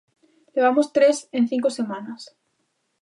Levamos tres en cinco semanas.